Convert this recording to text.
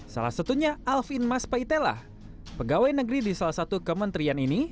salah satunya alvin mas paitella pegawai negeri di salah satu kementerian ini